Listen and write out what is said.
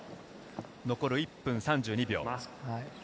残り１分３２秒。